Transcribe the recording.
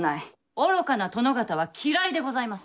おろかな殿方は嫌いでございます。